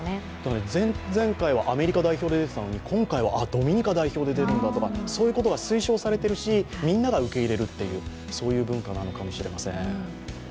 前々回はアメリカ代表で出てたのに、今回はドミニカ代表で出るんだみたいなそういうことが推奨されているしみんなが受け入れるという文化なのかもしれません。